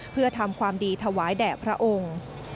เพื่อทำความดีถวายแด่พระองค์